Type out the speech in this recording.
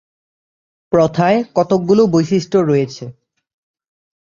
প্রথায় কতকগুলো বৈশিষ্ট্য রয়েছে।